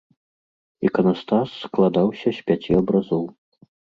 Іканастас складаўся з пяці абразоў.